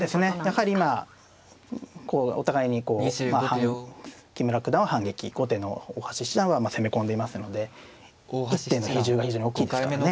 やはり今お互いにこう木村九段は反撃後手の大橋七段は攻め込んでいますので一手の比重が非常に大きいですからね。